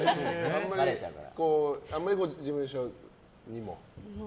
あんまり事務所にも？